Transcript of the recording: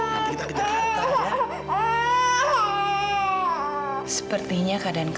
makasih ya dok